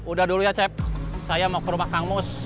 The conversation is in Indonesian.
udah dulu ya cep saya mau ke rumah kamus